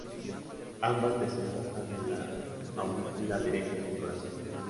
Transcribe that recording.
Ambas desembocan en la aurícula derecha del corazón.